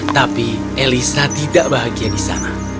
tapi elisa tidak bahagia di sana